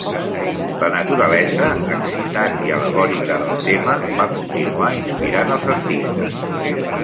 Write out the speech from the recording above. La naturalesa excitant i al·legòrica del tema va continuar inspirant els artistes.